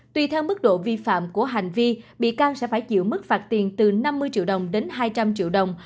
tùy theo mức độ vi phạm của hành vi bị can sẽ phải chịu mức phạt tiền từ năm mươi triệu đồng đến hai trăm linh triệu đồng